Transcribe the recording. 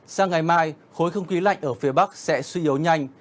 sang ngày mai khối không khí lạnh ở phía bắc sẽ suy yếu nhanh